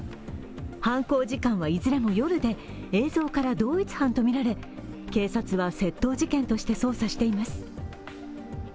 犯行時間はいずれも夜で、映像から同一犯とみられ警察は窃盗事件として捜査しています。